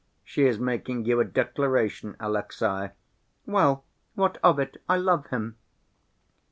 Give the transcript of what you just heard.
She is making you a declaration, Alexey!" "Well, what of it, I love him!"